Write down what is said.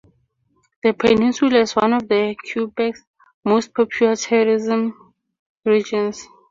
The peninsula is one of Quebec's most popular tourism regions.